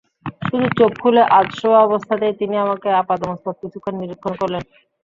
শুধু চোখ খুলে আধশোয়া অবস্থাতেই তিনি আমাকে আপাদমস্তক কিছুক্ষণ নিরীক্ষণ করলেন।